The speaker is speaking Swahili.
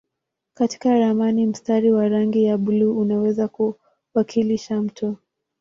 Katika ramani mstari wa rangi ya buluu unaweza kuwakilisha mto.